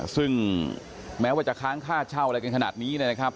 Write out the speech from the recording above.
ซึ่งแม้ว่าจะค้างค่าเช่าอะไรกันขนาดนี้นะครับ